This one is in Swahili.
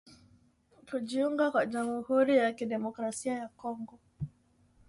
kujiunga kwa jamuhuri ya kidemokrasia ya Kongo